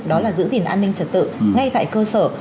đó là giữ gìn an ninh trật tự ngay tại cơ sở